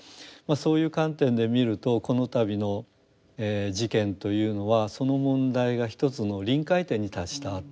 そういう観点で見るとこの度の事件というのはその問題が一つの臨界点に達したと。